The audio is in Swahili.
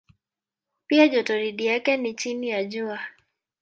Pia jotoridi yake ni chini ya Jua.